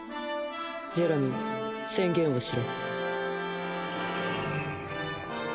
ジェラミー宣言をしろ。